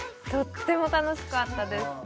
とっても楽しかったです